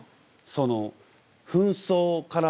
その紛争から。